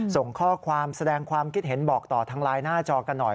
ส่งข้อความแสดงความคิดเห็นบอกต่อทางไลน์หน้าจอกันหน่อย